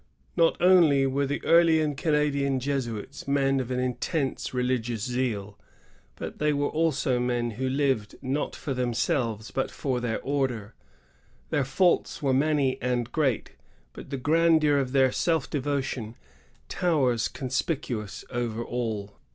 Not only were the early Canadian Jesuits men of an intense religious zeal, but they were also men who lived not for themselves but for their Order. Their faults were many and great, but the grandeur of their self devotion towers conspicuous over all.